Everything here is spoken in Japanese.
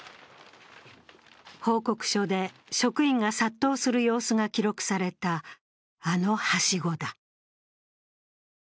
報告書で職員が殺到する様子が記録された、あのはしごだ。